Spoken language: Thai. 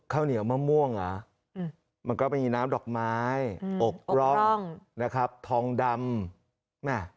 ข้าวเหนียวมะม่วงมันก็มีน้ำดอกไม้อกร่องทองดำ